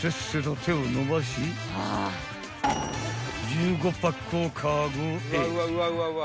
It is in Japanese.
［１５パックをカゴへ］